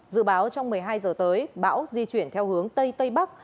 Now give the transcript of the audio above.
dự báo trong một mươi hai giờ tới bão di chuyển theo hướng tây tây bắc